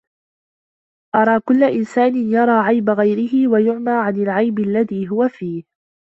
أرى كل إنسان يرى عيب غيره ويعمى عن العيب الذي هو فيه